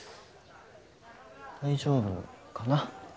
大丈夫かな？